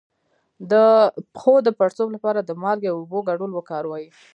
د پښو د پړسوب لپاره د مالګې او اوبو ګډول وکاروئ